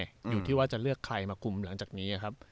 อยู่ที่ว่าจะเลือกใครมาคุมหลังจากนี้ครับ